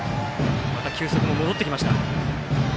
また球速も戻ってきました。